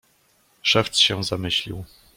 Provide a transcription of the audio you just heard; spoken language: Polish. "Szewc się zamyślił."